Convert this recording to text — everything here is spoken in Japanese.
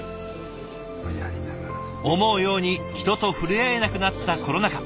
思うように人と触れ合えなくなったコロナ禍。